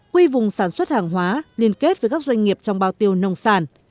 quy vùng sản xuất hàng hóa liên kết với các doanh nghiệp trong bao tiêu nông sản